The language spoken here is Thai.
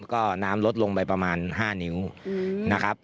ก็น้ำลดลงไปประมาณ๕นิ้วนะครับ